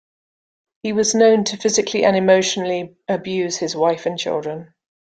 He was known to physically and emotionally abuse his wife and children.